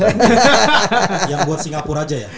yang buat singapura aja ya